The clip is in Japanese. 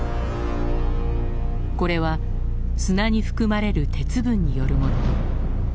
これは砂に含まれる鉄分によるもの。